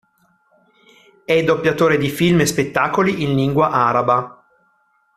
È doppiatore di film e spettacoli in lingua araba.